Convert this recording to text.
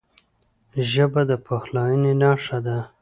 ژبه د پخلاینې نښه ده